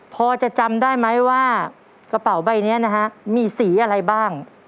พอจะจำได้ไหมว่ากระเป๋าใบนี้นะฮะมีสีอะไรบ้าง